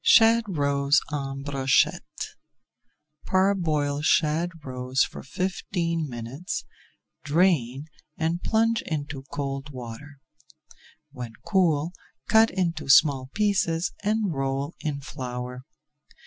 SHAD ROES EN BROCHETTE Parboil shad roes for fifteen minutes, drain, and plunge into cold water. When cool, cut into small pieces and roll in flour.